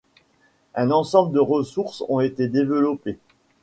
Un ensemble de ressources ont été développées.